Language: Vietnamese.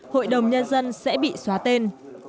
hội đồng nhân dân sẽ bị xóa tên